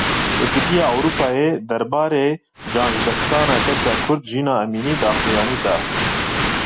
Yekîtiya Ewropayê derbarê canjidestdana keça Kurd Jîna Emînî daxuyanî da.